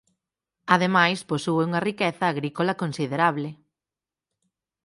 Ademais posúe unha riqueza agrícola considerable.